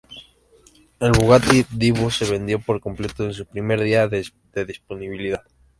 El Bugatti Divo se vendió por completo en su primer día de disponibilidad.